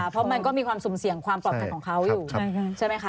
เพราะมันก็มีความสุ่มเสี่ยงความปลอดภัยของเขาอยู่ใช่ไหมคะ